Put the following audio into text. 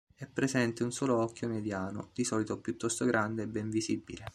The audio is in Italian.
È presente un solo occhio mediano, di solito piuttosto grande e ben visibile.